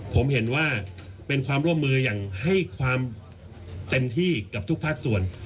ผมเห็นว่าเป็นความร่วมมืออย่างให้ความเต็มที่กับทุกภาคส่วน